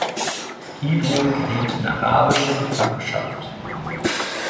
Guido geriet in arabische Gefangenschaft.